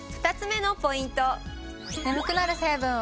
２つ目のポイント！